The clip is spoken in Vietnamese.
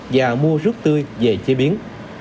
và mua rút tươi về chế biến